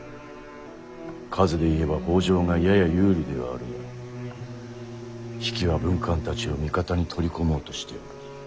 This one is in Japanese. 数で言えば北条がやや有利ではあるが比企は文官たちを味方に取り込もうとしておる。